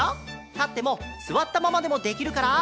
たってもすわったままでもできるから。